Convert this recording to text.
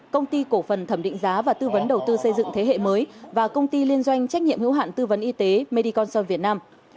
công ty cổ phần thẩm định giá và tư vấn đầu tư xây dựng thế hệ mới và công ty liên doanh trách nhiệm hữu hạn tư vấn y tế medi concern việt nam